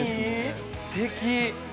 すてき。